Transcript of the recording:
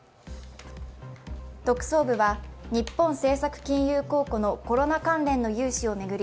特捜部は日本政策金融公庫のコロナ関連の融資を巡り